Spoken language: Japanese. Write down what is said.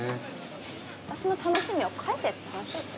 私の楽しみを返せって話ですよ。